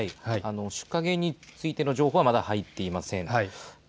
出火原因についての情報はまだ入っていません。